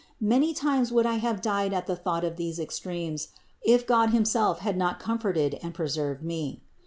Many times would I have died at the thought of these extremes, if God himself had not comforted and preserved me.